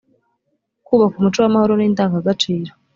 kubaka umuco w amahoro n indangagaciro